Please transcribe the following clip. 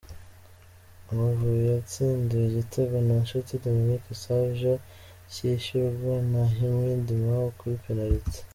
Amavubi yatsindiwe igitego na Nshuti Dominique Savio cyishyurwa na Himid Mao kuri penaliti.